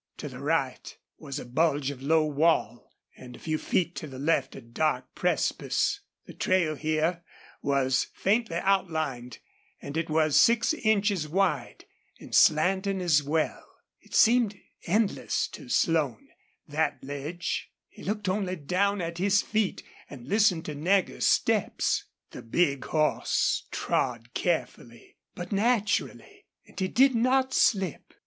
To the right was a bulge of low wall, and a few feet to the left a dark precipice. The trail here was faintly outlined, and it was six inches wide and slanting as well. It seemed endless to Slone, that ledge. He looked only down at his feet and listened to Nagger's steps. The big horse trod carefully, but naturally, and he did not slip.